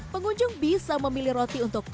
pengunjung bisa memilih roti untuk